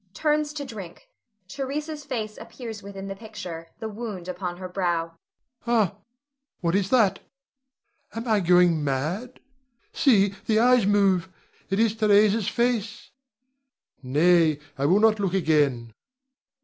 [Turns to drink. Theresa's face appears within the picture, the wound upon her brow.] Ha! what is that? Am I going mad? See the eyes move, it is Theresa's face! Nay, I will not look again.